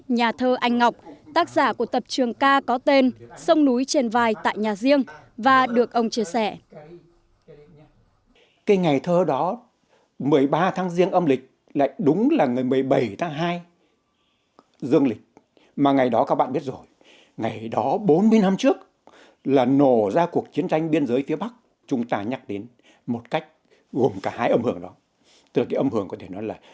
nhà thơ anh ngọc tác giả của tập trường ca có tên sông núi trên vai tại nhà riêng và được ông chia sẻ